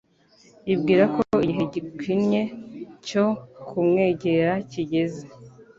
yibwira ko igihe gikwinye cyo kumwegera kigeze.